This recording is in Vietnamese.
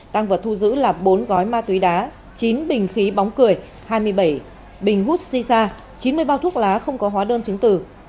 tàng vật thu giữ là bốn gói ma túy đá chín bình khí bóng cười hai mươi bảy bình hút xì xa chín mươi bao thuốc lá không có hóa đơn chứng từ